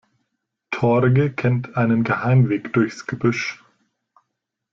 Torge kennt einen Geheimweg durchs Gebüsch.